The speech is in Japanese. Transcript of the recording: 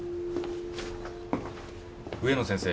植野先生